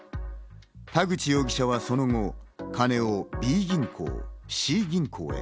田口容疑者はその後、金をＢ銀行、Ｃ銀行へ。